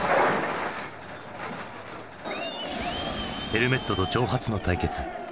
ヘルメットと長髪の対決。